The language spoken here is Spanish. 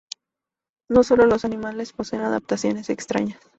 No sólo los animales poseen adaptaciones extrañas.